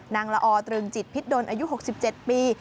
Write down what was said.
ละออตรึงจิตพิษดนอายุ๖๗ปี